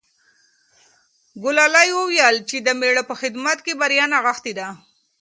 ګلالۍ وویل چې د مېړه په خدمت کې بریا نغښتې ده.